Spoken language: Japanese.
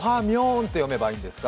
んと読めばいいんですか。